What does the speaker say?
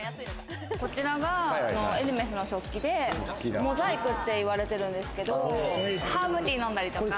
こちらがエルメスの食器でモザイクっていわれてるんですけど、ハーブティー飲んだりとか。